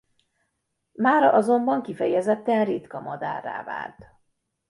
Mára azonban kifejezetten ritka madárrá vált.